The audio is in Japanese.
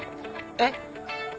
えっ？